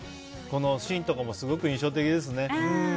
このシーンとかもすごく印象的ですね。